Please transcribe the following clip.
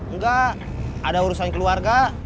enggak ada urusan keluarga